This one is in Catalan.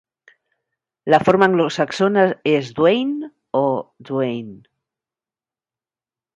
La forma anglosaxona és Dwane o Duane.